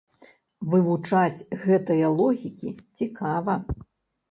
Вывучаць гэтыя логікі цікава.